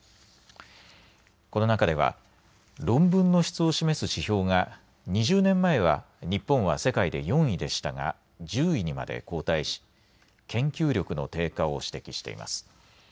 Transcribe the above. この中では論文の質を示す指標が２０年前は日本は世界で４位でしたが１０位にまで後退し、研究力の低下を指摘しています。